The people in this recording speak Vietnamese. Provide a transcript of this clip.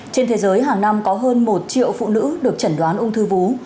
trên thế giới hàng năm có hơn một triệu phụ nữ được chẩn đoán ung thư vú